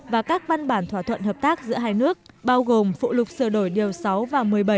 và các văn bản thỏa thuận hợp tác giữa hai nước bao gồm phụ lục sửa đổi điều sáu và một mươi bảy